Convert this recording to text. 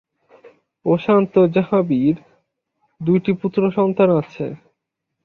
প্রশান্ত-জাহ্নবীর দুইটি পুত্রসন্তান আছে।